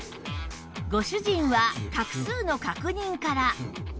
ご主人は画数の確認から